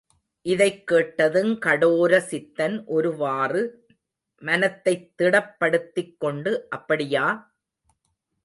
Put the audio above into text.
இதைக் கேட்டதுங் கடோர சித்தன் ஒருவாறு மனத்தைத் திடப்படுத்திக் கொண்டு அப்படியா!